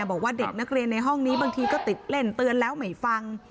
บอกว่าเด็กนักเรียนในห้องนี้บางทีก็ติดเล่นเตือนแล้วไม่ฟัง